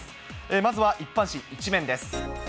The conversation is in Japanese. まずは一般紙１面です。